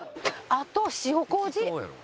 あと塩麹。